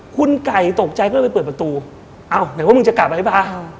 คุณไก่ตกใจก็เลยไปเปิดประตูอ้าวไหนว่ามึงจะกลับอะไรป่ะ